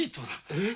えっ？